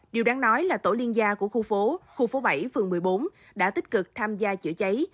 điều đáng nói là tổ liên gia của khu phố khu phố bảy phường một mươi bốn đã tích cực tham gia chữa cháy